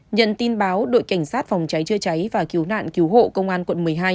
nhận tin báo đội cảnh sát phòng cháy chữa cháy và cứu nạn cứu hộ công an quận một mươi hai